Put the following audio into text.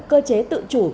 cơ chế tự chủ